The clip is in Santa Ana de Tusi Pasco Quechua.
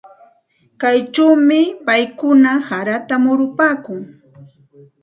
Kaychawmi paykuna harata murupaakun.